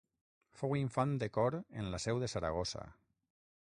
Fou infant de cor en la Seu de Saragossa.